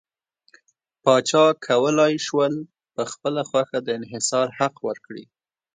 پاچا کولای شول په خپله خوښه د انحصار حق ورکړي.